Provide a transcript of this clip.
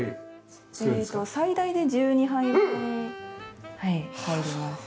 最大で１２杯分入ります。